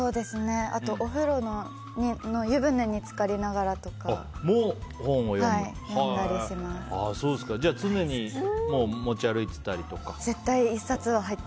あとお風呂の湯船につかりながらとかじゃあ、常に持ち歩いてたり？